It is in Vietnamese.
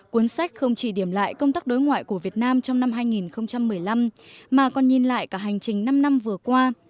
cuốn sách không chỉ điểm lại công tác đối ngoại của việt nam trong năm hai nghìn một mươi năm mà còn nhìn lại cả hành trình năm năm vừa qua